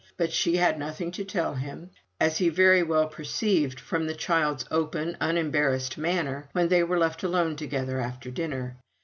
But she had nothing to tell him, as he very well perceived from the child's open unembarrassed manner when they were left alone together after dinner.